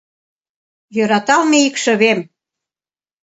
Йӧраталме икшывем.